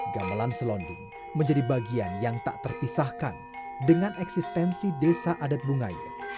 gamelan selonding menjadi bagian yang tak terpisahkan dengan eksistensi desa adat bungayu